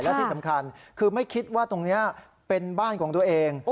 และที่สำคัญคือไม่คิดว่าตรงนี้เป็นบ้านของตัวเอง